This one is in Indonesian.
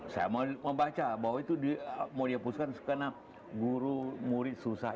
saya membaca bahwa itu mau dihapuskan karena guru murid susah